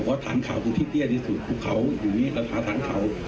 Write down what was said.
เพราะฐานเข่าคือที่เตี้ยที่สุดทุกเขาอยู่นี้คือฐานเข่า